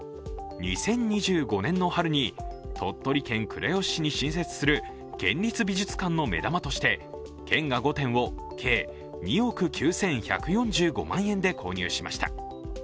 ２０２５年の春に、鳥取県倉吉市に新設する県立美術館の目だまして県が５点を、計２億９１４５万円で購入しました。